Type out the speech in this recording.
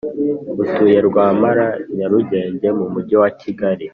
utuye Rwampara Nyarugenge m Umujyi wa Kigali